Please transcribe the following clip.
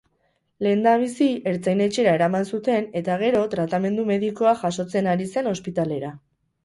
Lehendabizi ertzain-etxera eraman zuten eta gero, tratamendu medikua jasotzen ari zen ospitalera.